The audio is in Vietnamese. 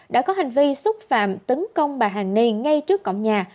đã có hành vi xúc phạm tấn công bà hàng ni ngay trước cổng nhà